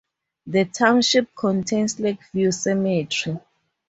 The township contains Lakeview Cemetery.